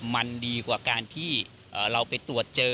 มันดีกว่าการที่เราไปตรวจเจอ